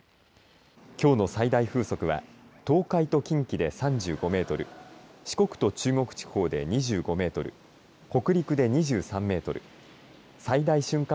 きょうの最大風速は東海と近畿で３５メートル、四国と中国地方で２５メートル、北陸で２３メートル、最大瞬間